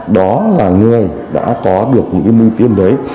đó là người đã có được cái mưu tiên đấy